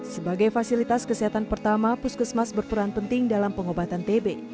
sebagai fasilitas kesehatan pertama puskesmas berperan penting dalam pengobatan tb